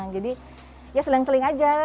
jadi ya seleng seling aja